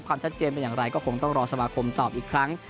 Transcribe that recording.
ความชัดเจนเป็นอย่างไรก็คงต้องรอสมาคมตอบอีกครั้ง